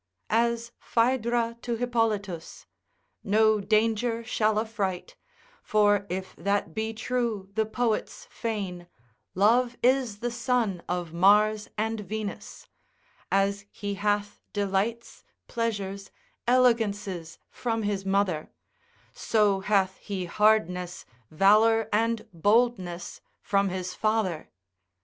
As Phaedra to Hippolitus. No danger shall affright, for if that be true the poets feign, Love is the son of Mars and Venus; as he hath delights, pleasures, elegances from his mother, so hath he hardness, valour, and boldness from his father.